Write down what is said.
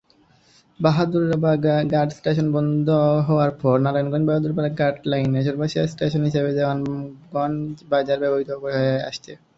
বাহাদুরাবাদ ঘাট স্টেশন বন্ধ হওয়ার পর নারায়ণগঞ্জ-বাহাদুরাবাদ ঘাট লাইনের সর্বশেষ স্টেশন হিসেবে দেওয়ানগঞ্জ বাজার ব্যবহৃত হয়ে আসছে।